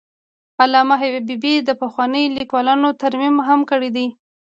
علامه حبیبي د پخوانیو لیکنو ترمیم هم کړی دی.